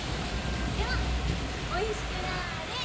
では美味しくなれ！